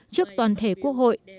trước toàn thể quốc hội